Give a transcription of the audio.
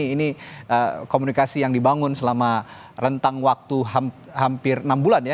ini komunikasi yang dibangun selama rentang waktu hampir enam bulan ya